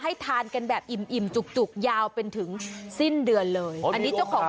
แล้วทางนะฮันจะอยู่เพื่อผ่าเมื่อราวหลัวถูกต้องรายการ